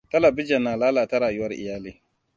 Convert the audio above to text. Talabijan na lalata rayuwar iyali.